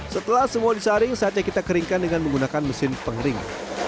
setelah semua disaring saatnya kita keringkan dengan menggunakan mesin pengering